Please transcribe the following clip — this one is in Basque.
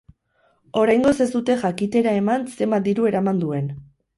Oraingoz ez dute jakitera eman zenbat diru eraman duen.